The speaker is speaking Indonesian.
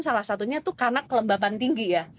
salah satunya tuh karena kelembaban tinggi ya